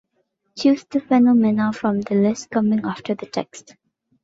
Choose the phenomena from the list coming after the text.